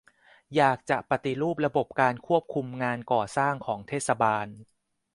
อยากจะปฏิรูประบบการควบคุมงานก่อสร้างของเทศบาล